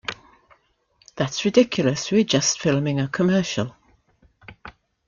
That's ridiculous, we're just filming a commercial.